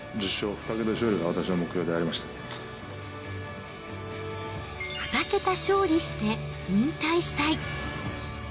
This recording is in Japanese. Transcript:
２桁勝利して引退したい。